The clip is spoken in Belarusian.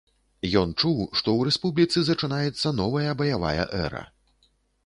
Ён чуў, што ў рэспубліцы зачынаецца новая баявая эра.